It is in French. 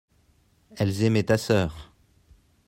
elles aimaient ta sœur.